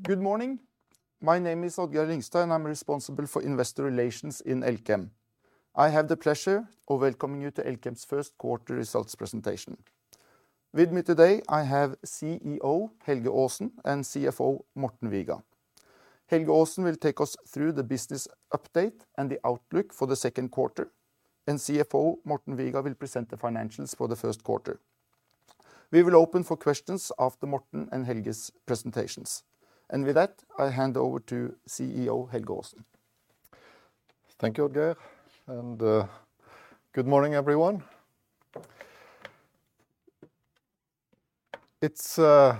Good morning. My name is Odd-Geir Lyngstad, and I'm responsible for investor relations in Elkem. I have the pleasure of welcoming you to Elkem's first quarter results presentation. With me today, I have CEO Helge Aasen and CFO Morten Viga. Helge Aasen will take us through the business update and the outlook for the second quarter, and CFO Morten Viga will present the financials for the first quarter. We will open for questions after Morten and Helge's presentations. With that, I hand over to CEO Helge Aasen. Thank you, Oddgeir, and good morning, everyone. It's a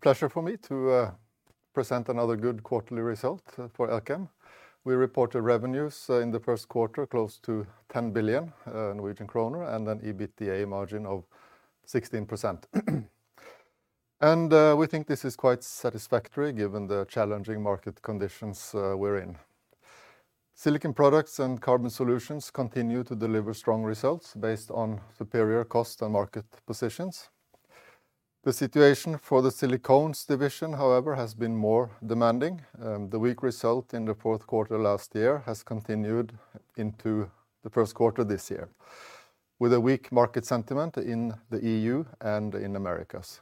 pleasure for me to present another good quarterly result for Elkem. We reported revenues in the first quarter close to 10 billion Norwegian kroner and an EBITDA margin of 16%. We think this is quite satisfactory given the challenging market conditions we're in. Silicon Products and Carbon Solutions continue to deliver strong results based on superior cost and market positions. The situation for the Silicones division, however, has been more demanding. The weak result in the fourth quarter last year has continued into the first quarter this year, with a weak market sentiment in the EU and in Americas.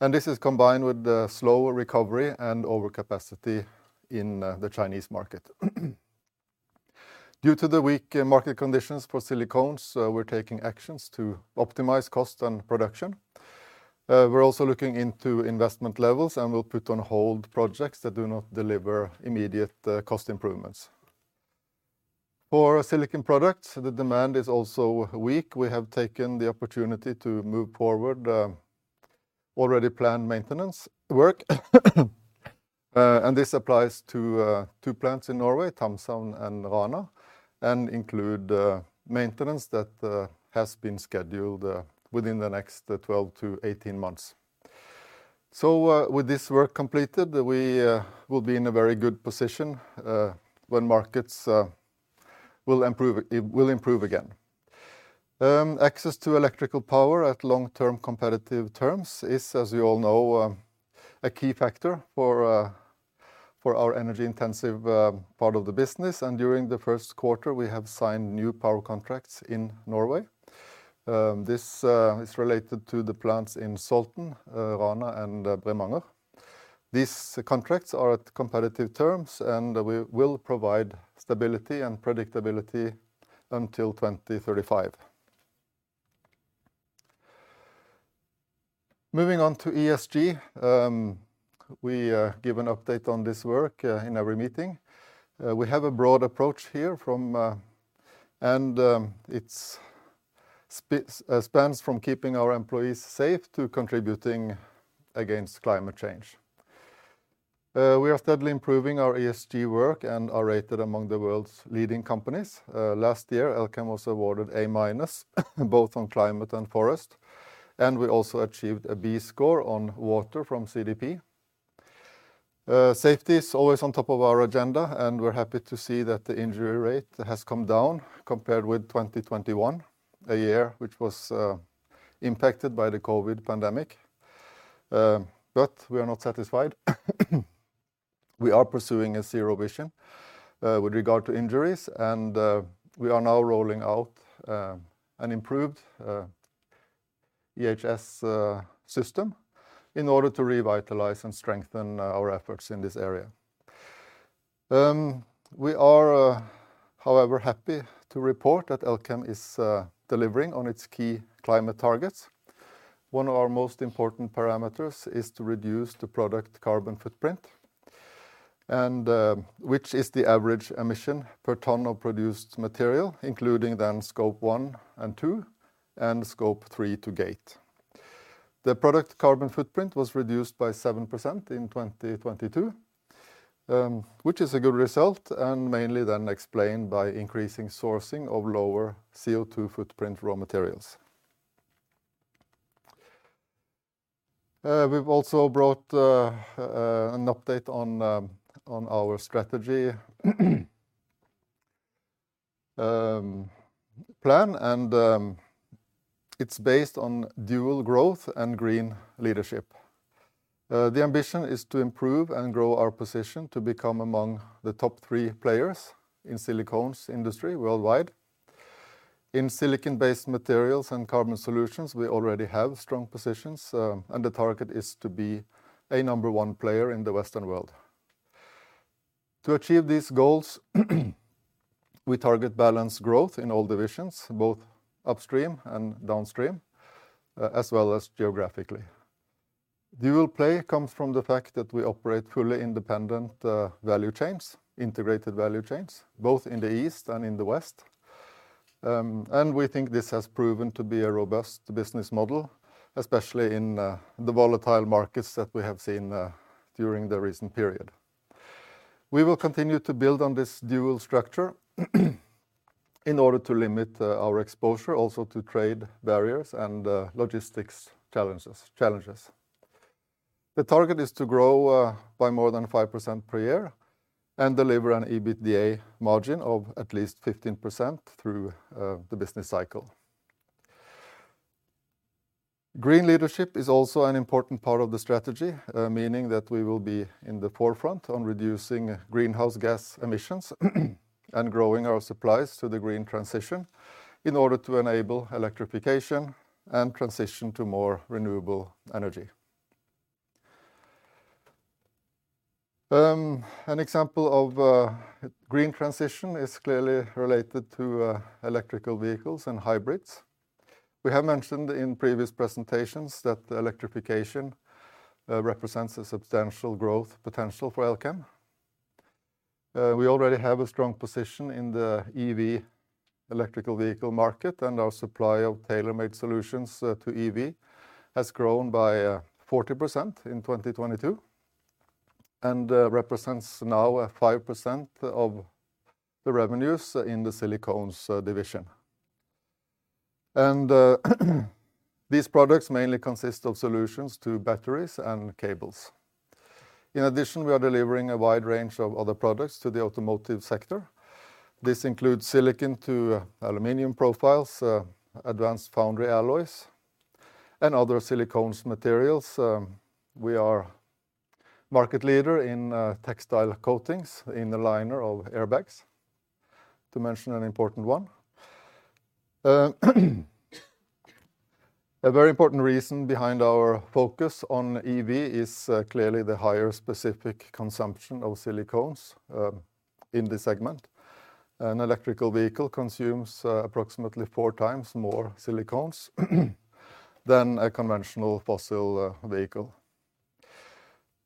This is combined with the slower recovery and overcapacity in the Chinese market. Due to the weak market conditions for Silicones, we're taking actions to optimize cost and production. We're also looking into investment levels, and we'll put on hold projects that do not deliver immediate cost improvements. For Silicon Products, the demand is also weak. We have taken the opportunity to move forward already planned maintenance work. And this applies to two plants in Norway, Thamshavn and Rana, and include maintenance that has been scheduled within the next 12-18 months. With this work completed, we will be in a very good position when markets will improve, it will improve again. Access to electrical power at long-term competitive terms is, as you all know, a key factor for our energy-intensive part of the business. During the first quarter, we have signed new power contracts in Norway. This is related to the plants in Salten, Rana and Bremanger. These contracts are at competitive terms, and we will provide stability and predictability until 2035. Moving on to ESG. We give an update on this work in every meeting. We have a broad approach here from it's spans from keeping our employees safe to contributing against climate change. We are steadily improving our ESG work and are rated among the world's leading companies. Last year, Elkem was awarded A minus both on climate and forest, and we also achieved a B score on water from CDP. Safety is always on top of our agenda, we're happy to see that the injury rate has come down compared with 2021, a year which was impacted by the COVID pandemic. We are not satisfied. We are pursuing a zero vision with regard to injuries, we are now rolling out an improved EHS system in order to revitalize and strengthen our efforts in this area. We are, however, happy to report that Elkem is delivering on its key climate targets. One of our most important parameters is to reduce the product carbon footprint which is the average emission per ton of produced material, including then Scope two and two and Scope three to gate. The product carbon footprint was reduced by 7% in 2022, which is a good result and mainly then explained by increasing sourcing of lower CO2 footprint raw materials. We've also brought an update on our strategy plan, and it's based on dual growth and green leadership. The ambition is to improve and grow our position to become among the top three players in silicones industry worldwide. In silicon-based materials and Carbon Solutions, we already have strong positions, and the target is to be a number 1 player in the Western world. To achieve these goals, we target balanced growth in all divisions, both upstream and downstream, as well as geographically. Dual play comes from the fact that we operate fully independent value chains, integrated value chains, both in the East and in the West. We think this has proven to be a robust business model, especially in the volatile markets that we have seen during the recent period. We will continue to build on this dual structure in order to limit our exposure also to trade barriers and logistics challenges. The target is to grow by more than 5% per year and deliver an EBITDA margin of at least 15% through the business cycle. Green leadership is also an important part of the strategy, meaning that we will be in the forefront on reducing greenhouse gas emissions and growing our supplies to the green transition in order to enable electrification and transition to more renewable energy. An example of green transition is clearly related to electrical vehicles and hybrids. We have mentioned in previous presentations that electrification represents a substantial growth potential for Elkem. We already have a strong position in the EV, electrical vehicle market, and our supply of tailor-made solutions to EV has grown by 40% in 2022 and represents now a 5% of the revenues in the Silicones division. These products mainly consist of solutions to batteries and cables. In addition, we are delivering a wide range of other products to the automotive sector. This includes silicon to aluminum profiles, advanced foundry alloys, and other Silicones materials. We are market leader in textile coatings in the liner of airbags, to mention an important one. A very important reason behind our focus on EV is clearly the higher specific consumption of Silicones in this segment. An electrical vehicle consumes approximately 4 times more silicones than a conventional fossil vehicle.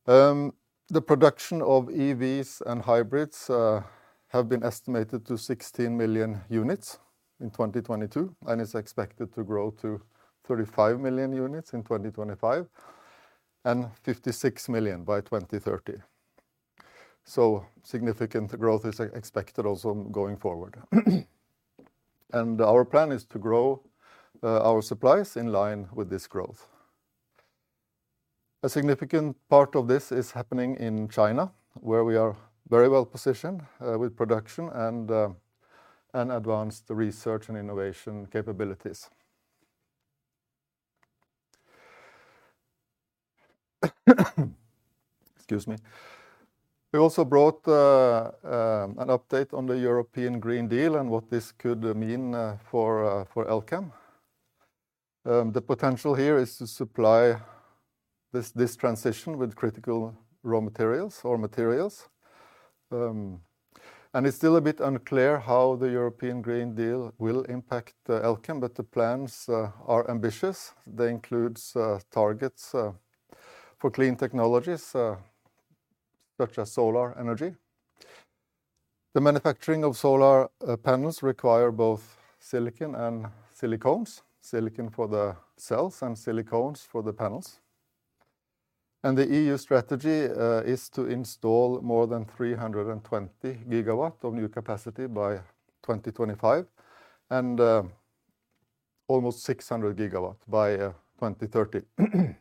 The production of EVs and hybrids have been estimated to 16 million units in 2022, and it's expected to grow to 35 million units in 2025 and 56 million by 2030. Significant growth is expected also going forward. Our plan is to grow our supplies in line with this growth. A significant part of this is happening in China, where we are very well-positioned with production and advanced research and innovation capabilities. Excuse me. We also brought an update on the European Green Deal and what this could mean for Elkem. The potential here is to supply this transition with critical raw materials or materials. It's still a bit unclear how the European Green Deal will impact Elkem, but the plans are ambitious. They includes targets for clean technologies such as solar energy. The manufacturing of solar panels require both silicon and silicones. Silicon for the cells and silicones for the panels. The EU strategy is to install more than 320 gigawatt of new capacity by 2025 and almost 600 gigawatt by 2030.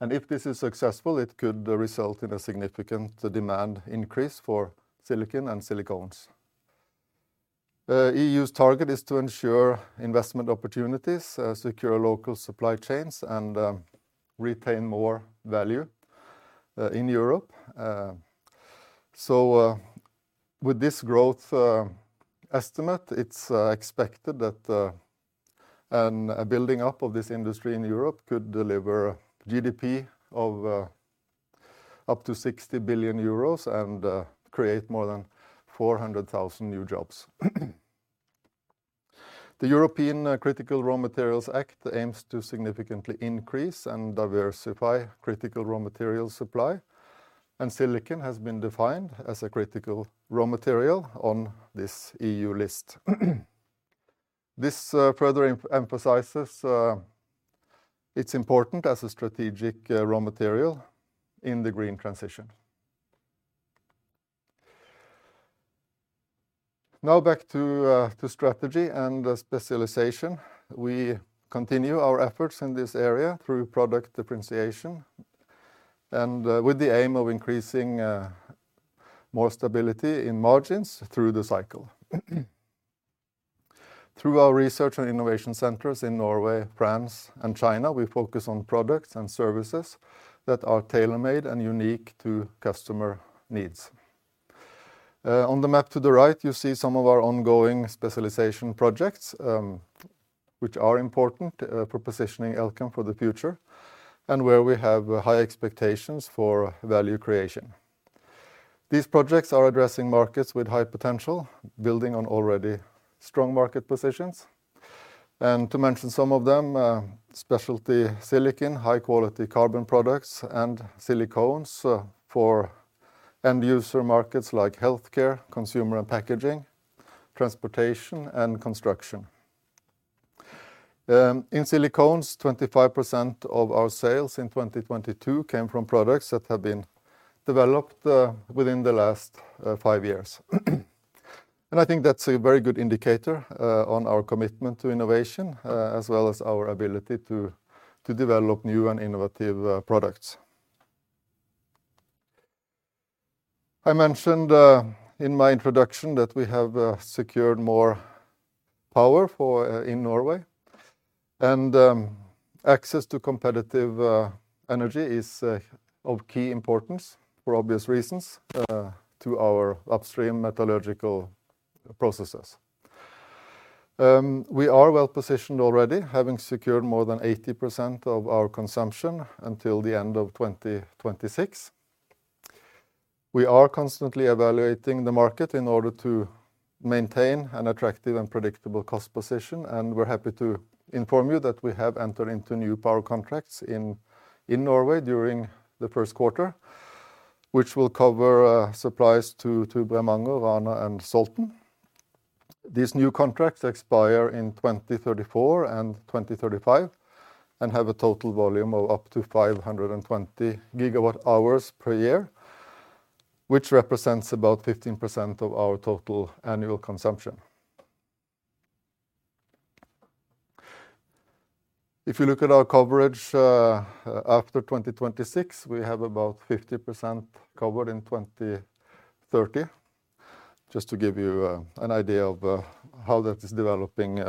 If this is successful, it could result in a significant demand increase for silicon and silicones. EU's target is to ensure investment opportunities, secure local supply chains and retain more value in Europe. With this growth estimate, expected that a building up of this industry in Europe could deliver GDP of up to 60 billion euros and create more than 400,000 new jobs. The European Critical Raw Materials Act aims to significantly increase and diversify critical raw material supply, and silicon has been defined as a critical raw material on this EU list. This further emphasizes its important as a strategic raw material in the green transition. Back to strategy and specialization. We continue our efforts in this area through product differentiation and with the aim of increasing more stability in margins through the cycle. Through our research and innovation centers in Norway, France and China, we focus on products and services that are tailor-made and unique to customer needs. On the map to the right, you see some of our ongoing specialization projects, which are important for positioning Elkem for the future and where we have high expectations for value creation. These projects are addressing markets with high potential, building on already strong market positions. To mention some of them, specialty silicon, high-quality carbon products and Silicones for end user markets like healthcare, consumer and packaging, transportation and construction. In Silicones, 25% of our sales in 2022 came from products that have been developed within the last five years. I think that's a very good indicator on our commitment to innovation as well as our ability to develop new and innovative products. I mentioned in my introduction that we have secured more power for in Norway, and access to competitive energy is of key importance for obvious reasons to our upstream metallurgical processes. We are well-positioned already, having secured more than 80% of our consumption until the end of 2026. We are constantly evaluating the market in order to maintain an attractive and predictable cost position. We're happy to inform you that we have entered into new power contracts in Norway during the 1st quarter, which will cover supplies to Bremanger, Rana, and Salten. These new contracts expire in 2034 and 2035 and have a total volume of up to 520 gigawatt hours per year, which represents about 15% of our total annual consumption. If you look at our coverage after 2026, we have about 50% covered in 2030, just to give you an idea of how that is developing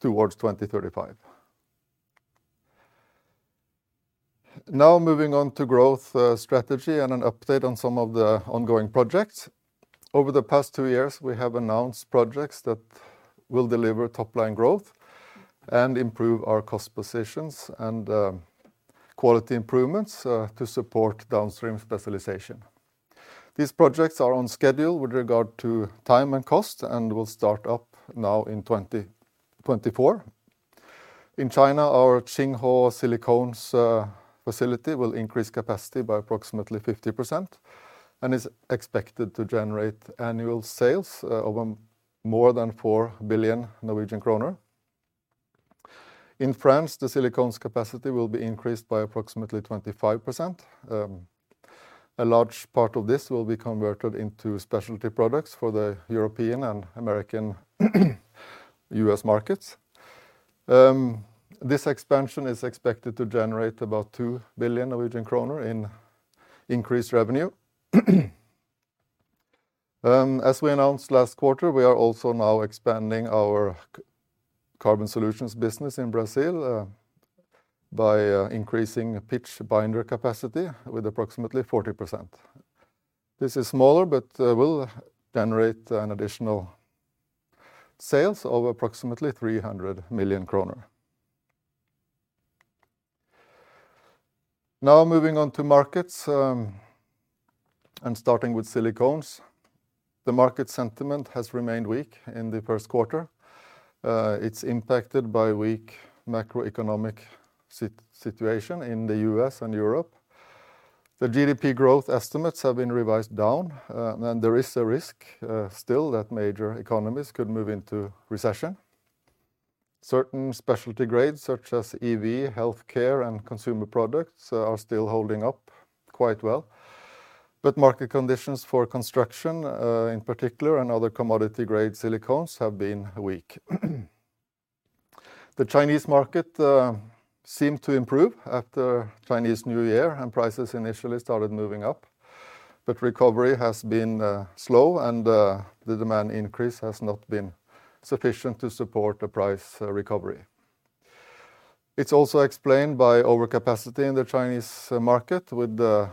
towards 2035. Moving on to growth strategy and an update on some of the ongoing projects. Over the past two years, we have announced projects that will deliver top-line growth and improve our cost positions and quality improvements to support downstream specialization. These projects are on schedule with regard to time and cost and will start up now in 2024. In China, our Xinghuo Silicones facility will increase capacity by approximately 50% and is expected to generate annual sales of more than 4 billion Norwegian kroner. In France, the silicones capacity will be increased by approximately 25%. A large part of this will be converted into specialty products for the European and American, U.S. markets. This expansion is expected to generate about 2 billion Norwegian kroner in increased revenue. As we announced last quarter, we are also now expanding our Carbon Solutions business in Brazil by increasing pitch binder capacity with approximately 40%. This is smaller, but will generate an additional sales of approximately NOK 300 million. Moving on to markets and starting with silicones. The market sentiment has remained weak in the first quarter. It's impacted by weak macroeconomic situation in the US and Europe. The GDP growth estimates have been revised down, and there is a risk still that major economies could move into recession. Certain specialty grades, such as EV, healthcare, and consumer products, are still holding up quite well. Market conditions for construction, in particular, and other commodity-grade silicones have been weak. The Chinese market seemed to improve after Chinese New Year, and prices initially started moving up. Recovery has been slow and the demand increase has not been sufficient to support a price recovery. It's also explained by overcapacity in the Chinese market with the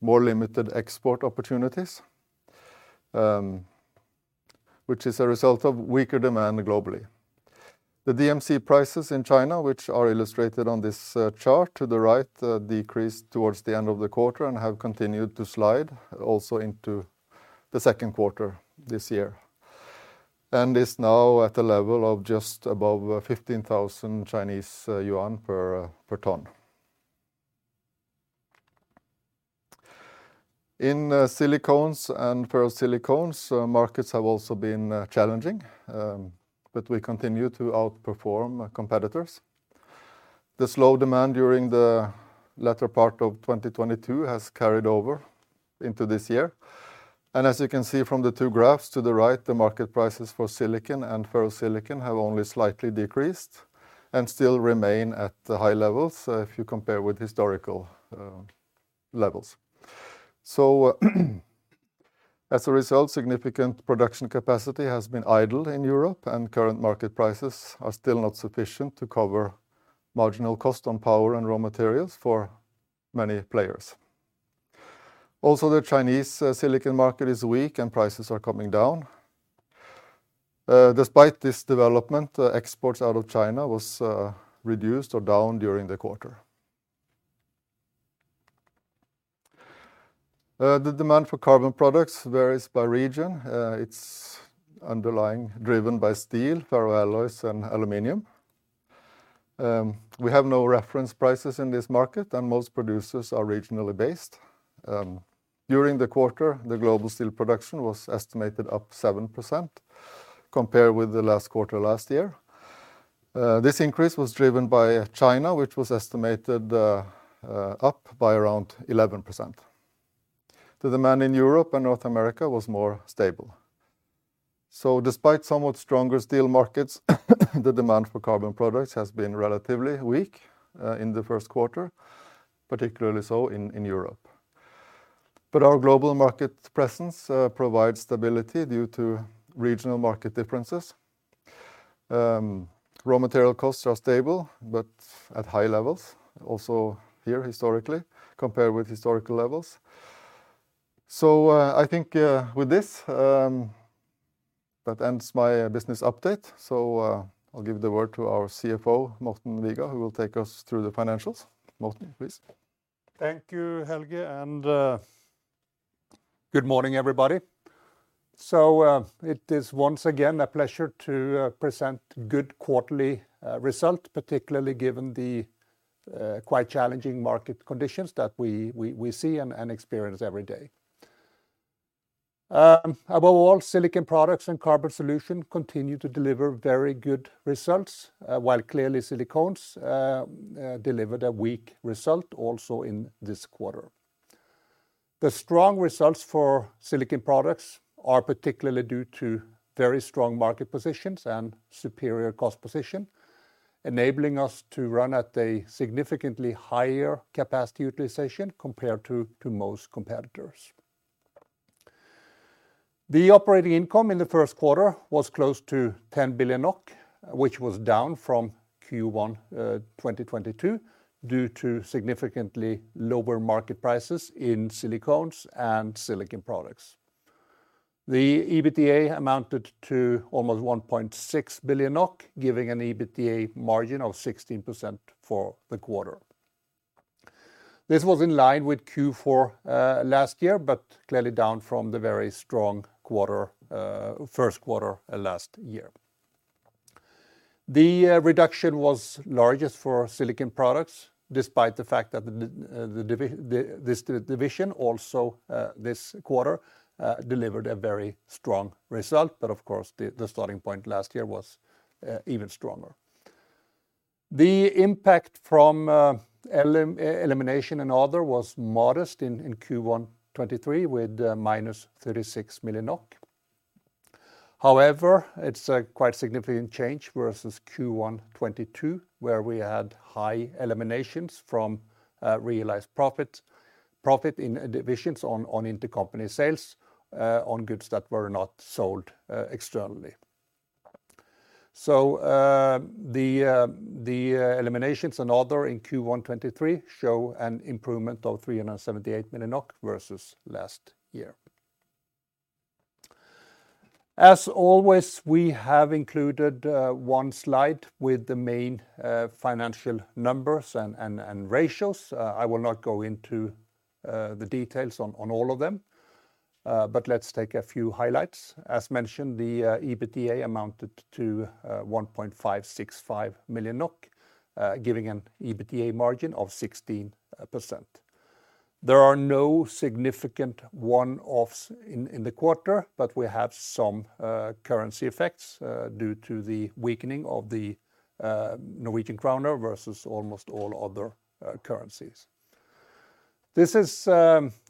more limited export opportunities, which is a result of weaker demand globally. The DMC prices in China, which are illustrated on this chart to the right, decreased towards the end of the quarter and have continued to slide also into the second quarter this year, and is now at a level of just above 15,000 Chinese yuan per ton. In Silicones and ferrosilicon, markets have also been challenging, we continue to outperform our competitors. The slow demand during the latter part of 2022 has carried over into this year. As you can see from the two graphs to the right, the market prices for silicon and ferrosilicon have only slightly decreased and still remain at the high levels, if you compare with historical levels. As a result, significant production capacity has been idled in Europe, and current market prices are still not sufficient to cover marginal cost on power and raw materials for many players. Also, the Chinese silicon market is weak, and prices are coming down. Despite this development, exports out of China was reduced or down during the quarter. The demand for carbon products varies by region. It's underlying driven by steel, ferroalloys, and aluminum. We have no reference prices in this market, and most producers are regionally based. During the quarter, the global steel production was estimated up 7% compared with the last quarter last year. This increase was driven by China, which was estimated up by around 11%. The demand in Europe and North America was more stable. Despite somewhat stronger steel markets, the demand for carbon products has been relatively weak in the first quarter, particularly so in Europe. Our global market presence provides stability due to regional market differences. Raw material costs are stable, but at high levels also here historically, compared with historical levels. I think with this, that ends my business update. I'll give the word to our CFO, Morten Viga, who will take us through the financials. Morten, please. Thank you, Helge, good morning, everybody. It is once again a pleasure to present good quarterly result, particularly given the quite challenging market conditions that we see and experience every day. Above all, Silicon Products and Carbon Solutions continue to deliver very good results, while clearly Silicones delivered a weak result also in this quarter. The strong results for Silicon Products are particularly due to very strong market positions and superior cost position, enabling us to run at a significantly higher capacity utilization compared to most competitors. The operating income in the first quarter was close to 10 billion NOK, which was down from Q1 2022, due to significantly lower market prices in Silicones and Silicon Products. The EBITDA amounted to almost 1.6 billion NOK, giving an EBITDA margin of 16% for the quarter. This was in line with Q4 last year, but clearly down from the very strong quarter, first quarter last year. The reduction was largest for Silicon Products, despite the fact that the division also this quarter delivered a very strong result. Of course, the starting point last year was even stronger. The impact from elimination and other was modest in Q1 '23 with minus 36 million NOK. However, it's a quite significant change versus Q1 '22, where we had high eliminations from realized profit in divisions on intercompany sales on goods that were not sold externally. The eliminations and other in Q1 '23 show an improvement of 378 million versus last year. As always, we have included one slide with the main financial numbers and ratios. I will not go into the details on all of them. Let's take a few highlights. As mentioned, the EBITDA amounted to 1,565 million NOK, giving an EBITDA margin of 16%. There are no significant one-offs in the quarter, but we have some currency effects due to the weakening of the Norwegian kroner versus almost all other currencies. This is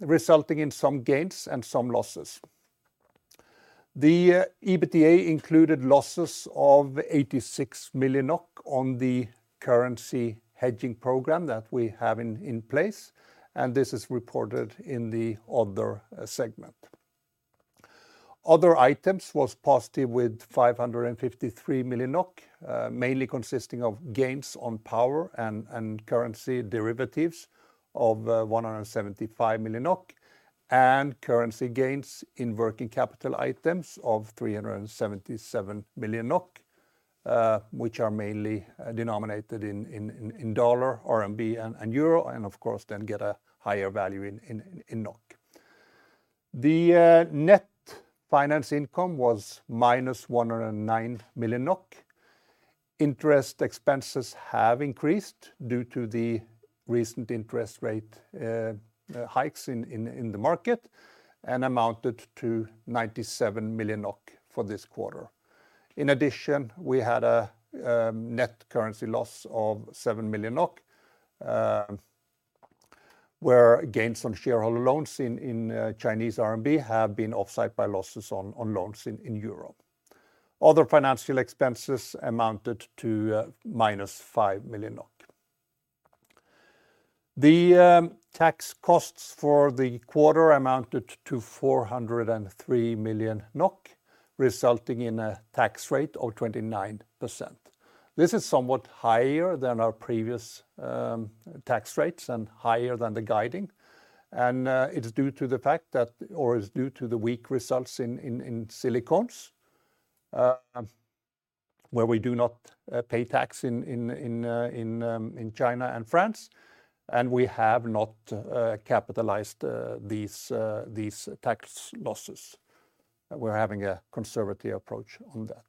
resulting in some gains and some losses. The EBITDA included losses of 86 million on the currency hedging program that we have in place. This is reported in the other segment. Other items was positive with 553 million NOK, mainly consisting of gains on power and currency derivatives of 175 million NOK and currency gains in working capital items of 377 million NOK, which are mainly denominated in dollar, RMB and euro, and of course then get a higher value in NOK. The net finance income was minus 109 million NOK. Interest expenses have increased due to the recent interest rate hikes in the market and amounted to 97 million NOK for this quarter. In addition, we had a net currency loss of 7 million NOK, where gains on shareholder loans in Chinese RMB have been offset by losses on loans in EUR. Other financial expenses amounted to minus 5 million NOK. The tax costs for the quarter amounted to 403 million NOK, resulting in a tax rate of 29%. This is somewhat higher than our previous tax rates and higher than the guiding. It's due to the fact that, or it's due to the weak results in Silicones, where we do not pay tax in China and France, and we have not capitalized these tax losses. We're having a conservative approach on that.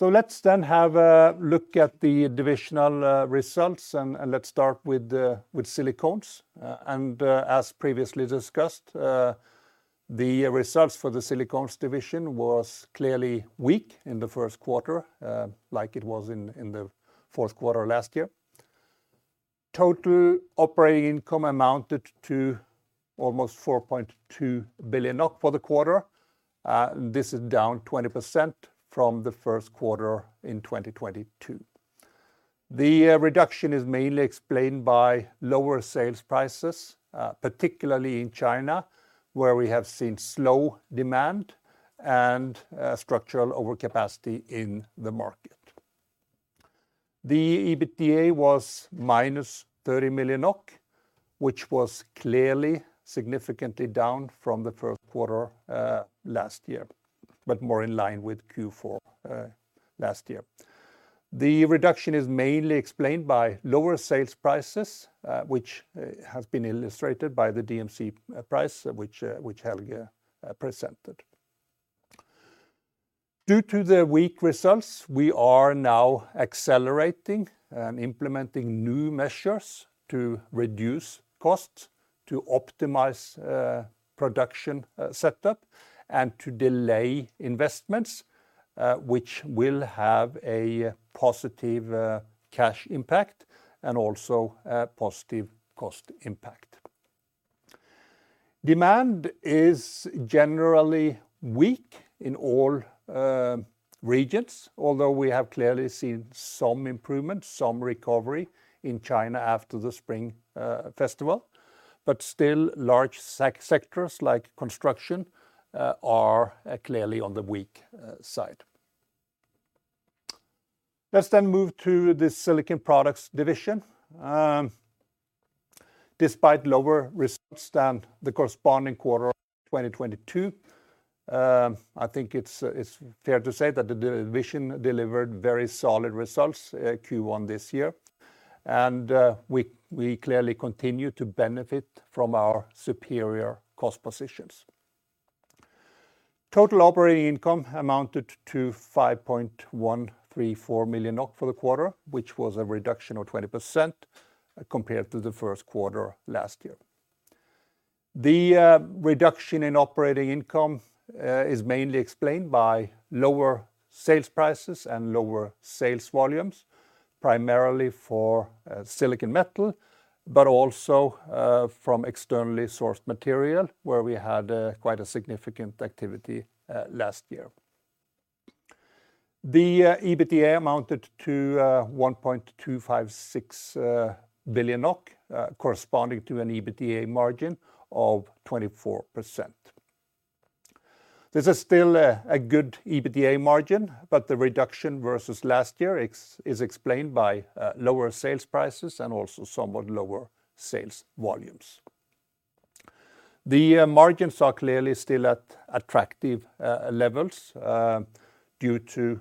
Let's then have a look at the divisional results and let's start with the Silicones. As previously discussed, the results for the Silicones division was clearly weak in the first quarter, like it was in the fourth quarter last year. Total operating income amounted to almost 4.2 billion for the quarter. This is down 20% from the first quarter in 2022. The reduction is mainly explained by lower sales prices, particularly in China, where we have seen slow demand and structural overcapacity in the market. The EBITDA was minus 30 million, which was clearly significantly down from the first quarter last year, but more in line with Q4 last year. The reduction is mainly explained by lower sales prices, which has been illustrated by the DMC price which Helge presented. Due to the weak results, we are now accelerating and implementing new measures to reduce costs, to optimize production setup and to delay investments, which will have a positive cash impact and also a positive cost impact. Demand is generally weak in all regions, although we have clearly seen some improvement, some recovery in China after the Spring Festival, but still large sectors like construction are clearly on the weak side. Move to the Silicon Products division. Despite lower results than the corresponding quarter of 2022, I think it's fair to say that the division delivered very solid results Q1 this year, and we clearly continue to benefit from our superior cost positions. Total operating income amounted to 5.134 million NOK for the quarter, which was a reduction of 20% compared to the first quarter last year. The reduction in operating income is mainly explained by lower sales prices and lower sales volumes, primarily for silicon metal, but also from externally sourced material where we had quite a significant activity last year. EBITDA amounted to 1.256 billion NOK, corresponding to an EBITDA margin of 24%. This is still a good EBITDA margin, but the reduction versus last year is explained by lower sales prices and also somewhat lower sales volumes. The margins are clearly still at attractive levels due to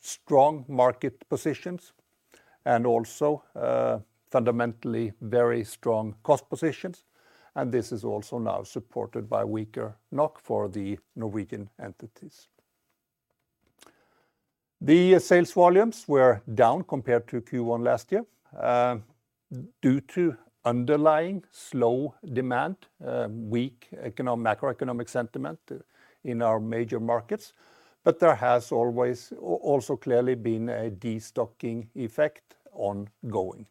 strong market positions and also fundamentally very strong cost positions, and this is also now supported by weaker NOK for the Norwegian entities. The sales volumes were down compared to Q1 last year due to underlying slow demand, weak macroeconomic sentiment in our major markets, but there has always also clearly been a destocking effect ongoing.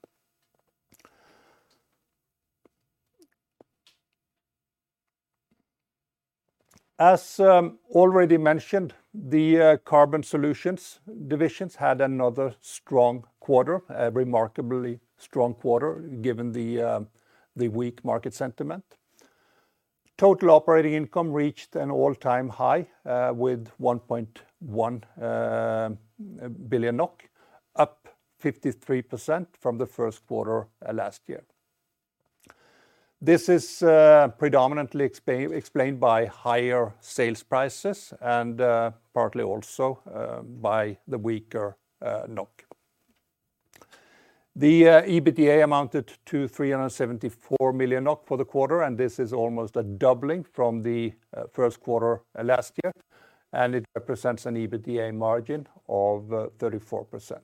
As already mentioned, the Carbon Solutions divisions had another strong quarter, a remarkably strong quarter given the weak market sentiment. Total operating income reached an all-time high with 1.1 billion NOK, up 53% from the first quarter last year. This is predominantly explained by higher sales prices and partly also by the weaker NOK. The EBITDA amounted to 374 million NOK for the quarter, and this is almost a doubling from the first quarter last year, and it represents an EBITDA margin of 34%.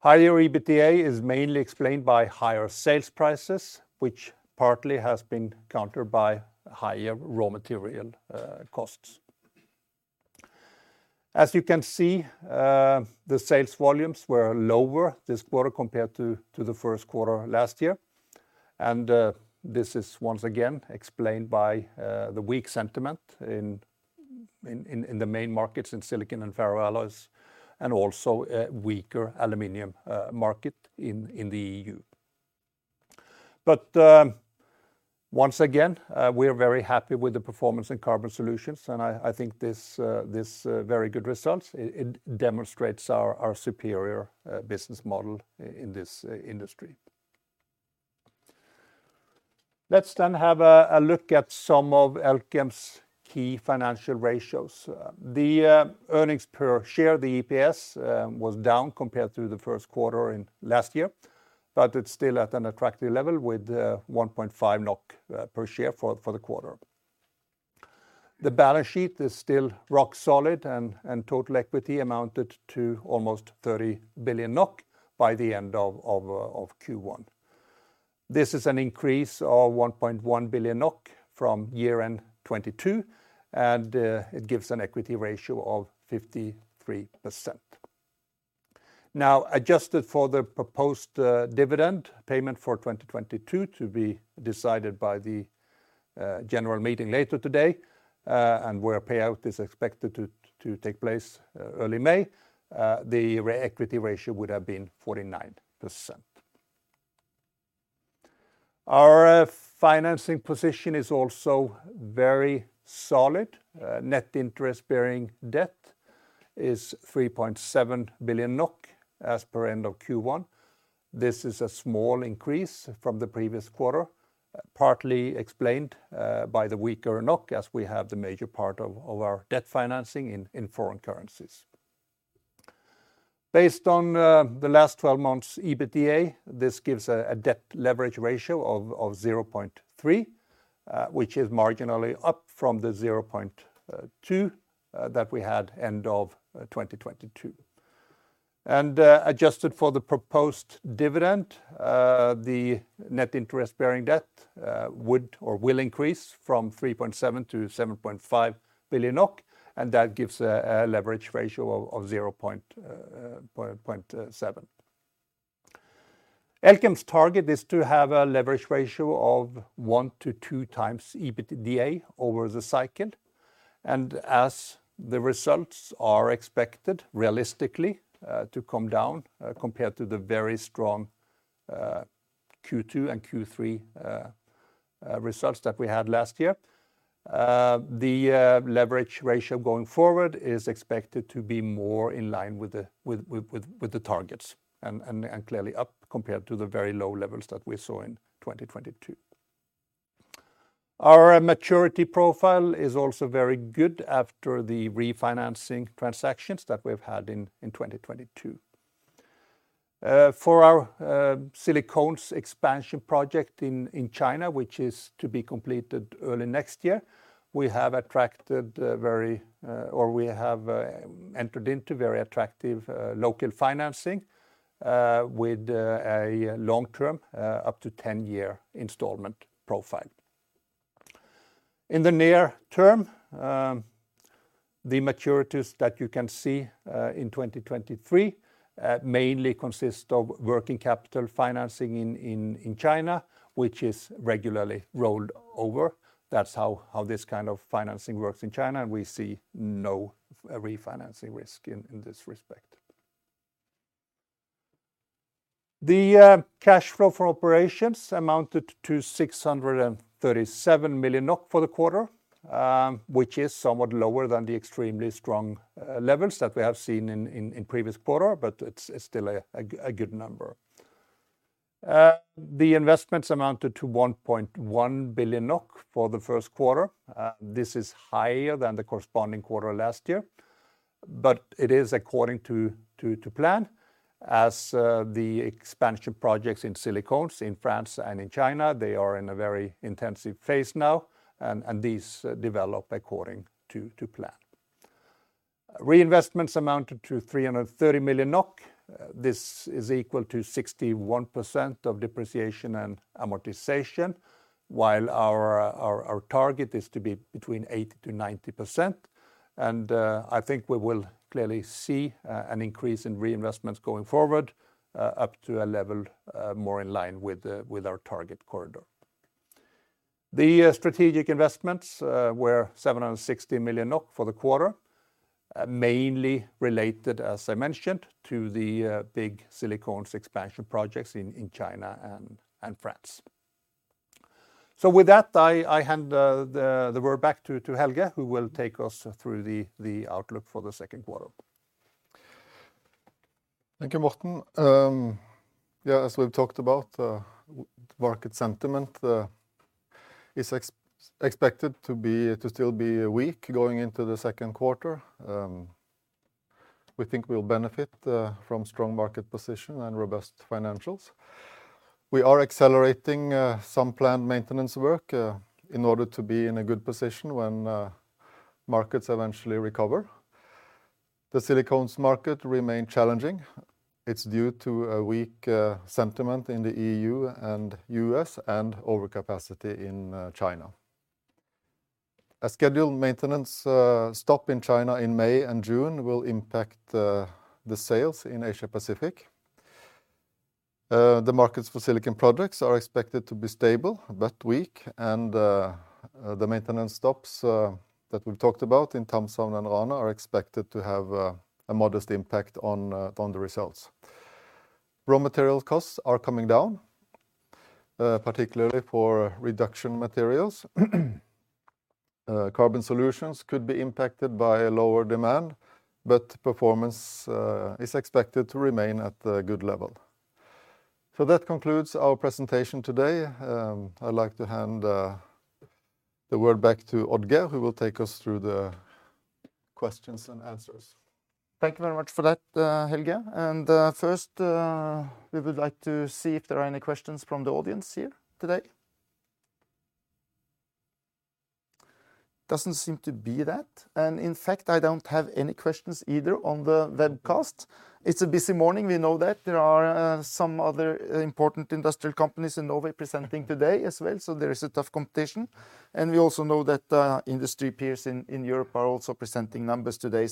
Higher EBITDA is mainly explained by higher sales prices, which partly has been countered by higher raw material costs. As you can see, the sales volumes were lower this quarter compared to the first quarter last year, and this is once again explained by the weak sentiment in the main markets in silicon and ferroalloys and also a weaker aluminum market in the EU. Once again, we are very happy with the performance in Carbon Solutions, and I think this very good results, it demonstrates our superior business model in this industry. Let's have a look at some of Elkem's key financial ratios. The earnings per share, the EPS, was down compared to the first quarter in last year, but it's still at an attractive level with 1.5 NOK per share for the quarter. The balance sheet is still rock solid and total equity amounted to almost 30 billion NOK by the end of Q1. This is an increase of 1.1 billion NOK from year-end 2022, it gives an equity ratio of 53%. Now, adjusted for the proposed dividend payment for 2022 to be decided by the general meeting later today, and where payout is expected to take place early May, the equity ratio would have been 49%. Our financing position is also very solid. Net interest-bearing debt is 3.7 billion NOK as per end of Q1. This is a small increase from the previous quarter, partly explained by the weaker NOK as we have the major part of our debt financing in foreign currencies. Based on the last 12 months EBITDA, this gives a debt leverage ratio of 0.3, which is marginally up from the 0.2 that we had end of 2022. Adjusted for the proposed dividend, the net interest-bearing debt would or will increase from 3.7 billion to 7.5 billion NOK, and that gives a leverage ratio of 0.7. Elkem's target is to have a leverage ratio of 1-2 times EBITDA over the cycle. As the results are expected realistically to come down compared to the very strong Q2 and Q3 results that we had last year, the leverage ratio going forward is expected to be more in line with the targets and clearly up compared to the very low levels that we saw in 2022. Our maturity profile is also very good after the refinancing transactions that we've had in 2022. For our silicones expansion project in China, which is to be completed early next year, we have attracted, or we have entered into very attractive local financing, with a long-term, up to 10-year installment profile. In the near term, the maturities that you can see in 2023 mainly consist of working capital financing in China, which is regularly rolled over. That's how this kind of financing works in China, and we see no refinancing risk in this respect. The cash flow for operations amounted to 637 million NOK for the quarter, which is somewhat lower than the extremely strong levels that we have seen in previous quarter, but it's still a good number. The investments amounted to 1.1 billion NOK for the first quarter. This is higher than the corresponding quarter last year, but it is according to plan as the expansion projects in Silicones in France and in China, they are in a very intensive phase now, and these develop according to plan. Reinvestments amounted to 330 million NOK. This is equal to 61% of depreciation and amortization, while our target is to be between 80%-90%. I think we will clearly see an increase in reinvestments going forward, up to a level more in line with our target corridor. The strategic investments were 760 million NOK for the quarter, mainly related, as I mentioned, to the big Silicones expansion projects in China and France. With that, I hand the word back to Helge, who will take us through the outlook for the second quarter. Thank you, Morten. Yeah, as we've talked about, market sentiment is expected to still be weak going into the second quarter. We think we'll benefit from strong market position and robust financials. We are accelerating some planned maintenance work in order to be in a good position when markets eventually recover. The Silicones market remain challenging. It's due to a weak sentiment in the EU and US and overcapacity in China. A scheduled maintenance stop in China in May and June will impact the sales in Asia Pacific. The markets for Silicon Products are expected to be stable but weak, and the maintenance stops that we've talked about in Thamshavn and Rana are expected to have a modest impact on the results. Raw material costs are coming down, particularly for reduction materials. Carbon Solutions could be impacted by a lower demand, but performance is expected to remain at a good level. That concludes our presentation today. I'd like to hand the word back to Oddgeir, who will take us through the questions and answers. Thank you very much for that, Helge. First, we would like to see if there are any questions from the audience here today. Doesn't seem to be that. In fact, I don't have any questions either on the webcast. It's a busy morning, we know that. There are some other important industrial companies in Norway presenting today as well. There is a tough competition. We also know that industry peers in Europe are also presenting numbers today.